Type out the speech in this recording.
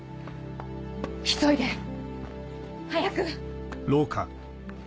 急いで早く。